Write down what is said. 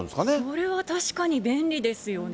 それは確かに便利ですよね。